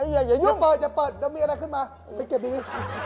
อย่ายุ่มอย่าเปิดจะมีอะไรขึ้นมาไปเก็บดี